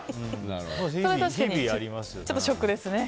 ちょっとショックですね。